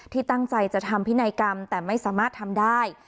ที่ตั้งใจจะทำพินัยกรรมแต่ไม่สามารถทำได้